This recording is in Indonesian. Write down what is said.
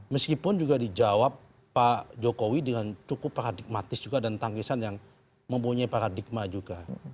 meskipun juga dijawab pak jokowi dengan cukup paradigmatis juga dan tangkisan yang mempunyai paradigma juga